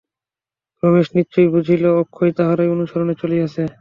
রমেশ নিশ্চয় বুঝিল, অক্ষয় তাহারই অনুসরণে চলিয়াছে।